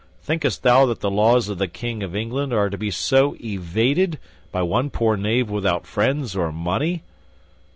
Thinkest thou that the laws of the King of England are to be so evaded by one poor knave without friends or money?"